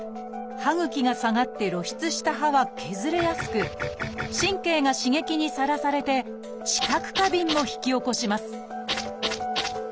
歯ぐきが下がって露出した歯は削れやすく神経が刺激にさらされて「知覚過敏」も引き起こします